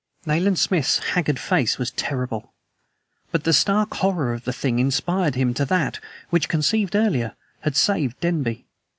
Nayland Smith's haggard face was terrible. But the stark horror of the thing inspired him to that, which conceived earlier, had saved Denby.